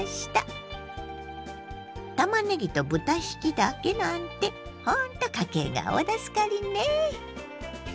たまねぎと豚ひきだけなんてほんと家計が大助かりね。